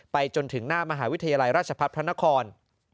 จนถึงหน้ามหาวิทยาลัยราชพัฒน์พระนคร